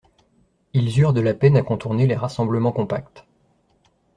Ils eurent de la peine à contourner les rassemblements compacts.